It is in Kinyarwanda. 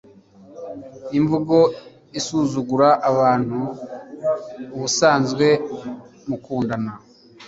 imvugo isuzugura abantu ubusanzwe mukundana